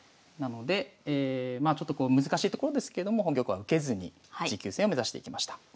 なのでちょっと難しいところですけれども本局は受けずに持久戦を目指していきました。